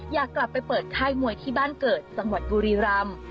อยากกลับไปเปิดค่ายมวยที่บ้านเกิดจังหวัดบุรีรำ